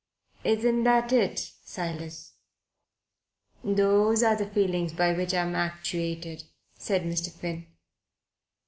Isn't that it, Silas?" "Those are the feelings by which I am actuated," said Mr. Finn.